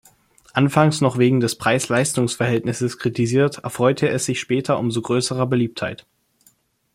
Anfangs noch wegen des Preis-Leistungs-Verhältnisses kritisiert, erfreute es sich später umso größerer Beliebtheit.